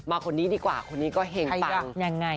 มาคนนี้ดีกว่าคนนี้ก็เห็นฟังใครอ่ะยังไง